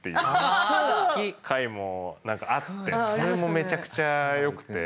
回も何かあってそれもめちゃくちゃ良くて。